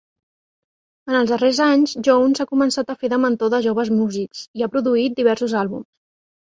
En els darrers anys Jones ha començat a fer de mentor de joves músics i ha produït diversos àlbums.